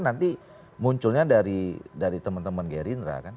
nanti munculnya dari teman teman gerindra kan